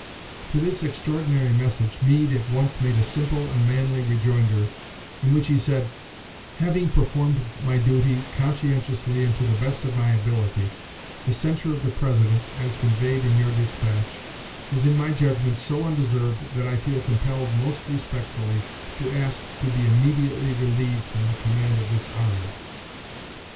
To this extraordinary message Meade at once made a simple and manly rejoinder in which he said: "Having performed my duty conscientiously and to the best of my ability, the censure of the President, as conveyed in your despatch, is in my judgment so undeserved that I feel compelled most respectfully to ask to be immediately relieved from the command of this army."